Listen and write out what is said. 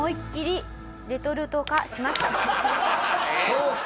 そうか。